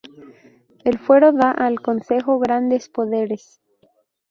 El Fuero da al Concejo grandes poderes.